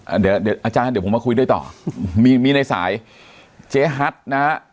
อาจารย์เดี๋ยวผมมาคุยด้วยต่อมีในสายเจ๊ฮัตนะฮะ